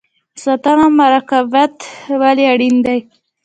ساتنه او مراقبت ولې اړین دی؟